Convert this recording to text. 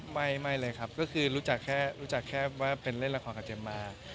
ไม่เลยครับก็คือรู้จักแค่รู้จักแค่ว่าเป็นเล่นละครกับเจมส์มา